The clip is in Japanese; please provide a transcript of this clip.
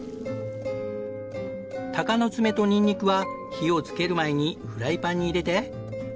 鷹の爪とニンニクは火をつける前にフライパンに入れて。